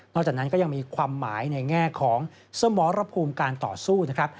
จากนั้นก็ยังมีความหมายในแง่ของสมรภูมิการต่อสู้นะครับ